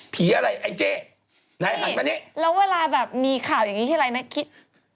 อะไรไอ้เจ๊ไหนหันมานี้แล้วเวลาแบบมีข่าวอย่างนี้ทีไรนะคิด